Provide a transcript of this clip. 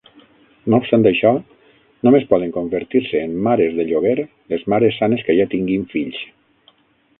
No obstant això, només poden convertir-se en mares de lloguer les mares sanes que ja tinguin fills.